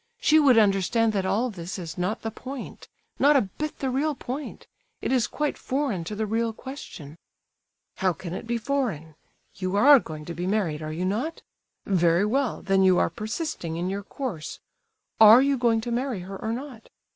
"She would understand that all this is not the point—not a bit the real point—it is quite foreign to the real question." "How can it be foreign? You are going to be married, are you not? Very well, then you are persisting in your course. Are you going to marry her or not?"